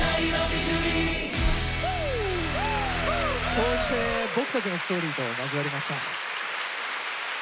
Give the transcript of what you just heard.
こうして僕たちのストーリーと交わりました。